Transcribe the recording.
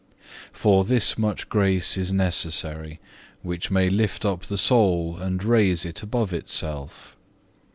2. For this much grace is necessary, which may lift up the soul and raise it above itself.